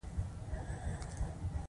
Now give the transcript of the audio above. مارنس لوهمان یو تجربه لرونکی بیټسمېن وو.